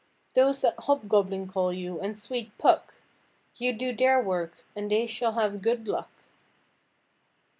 Those that Hobgoblin call you, and sweet Puck, You do their work, and they shall have good luck."